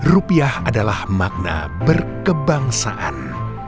rupiah adalah makna berkebangsaan